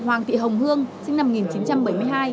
hoàng thị hồng hương sinh năm một nghìn chín trăm bảy mươi hai